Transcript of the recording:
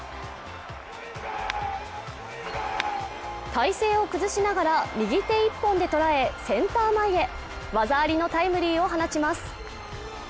体勢を崩しながら右手１本で捉え、センター前へ技ありのタイムリーを放ちます。